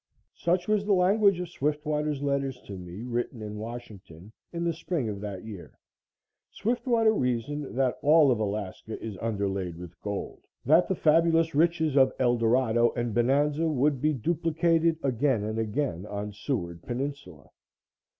Such was the language of Swiftwater's letters to me, written in Washington in the spring of that year. Swiftwater reasoned that all of Alaska is underlaid with gold; that the fabulous riches of Eldorado and Bonanza would be duplicated again and again on Seward peninsula.